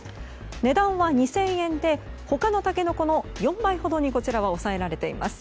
値段は２０００円で他のタケノコの４倍ほどに抑えられています。